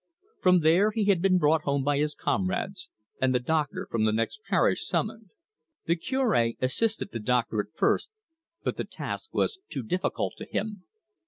From there he had been brought home by his comrades, and the doctor from the next parish summoned. The Cure assisted the doctor at first, but the task was difficult to him.